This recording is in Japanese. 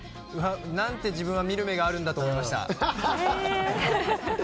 何て自分は見る目があるんだと思いました。